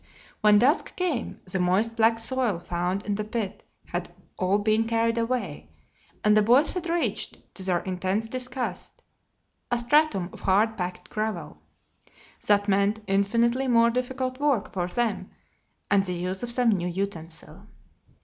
When dusk came the moist black soil found in the pit had all been carried away and the boys had reached, to their intense disgust, a stratum of hard packed gravel. That meant infinitely more difficult work for them and the use of some new utensil.